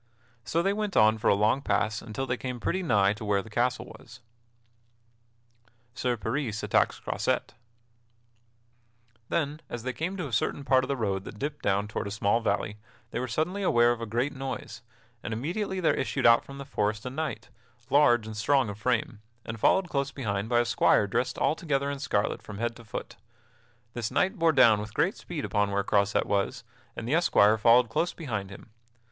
So they went on for a long pass until they came pretty nigh to where the castle was. [Sidenote: Sir Peris attacks Croisette] Then, as they came to a certain part of the road that dipped down toward a small valley, they were suddenly aware of a great noise, and immediately there issued out from the forest a knight, large and strong of frame, and followed close behind by a squire dressed altogether in scarlet from head to foot. This knight bore down with great speed upon where Croisette was, and the esquire followed close behind him.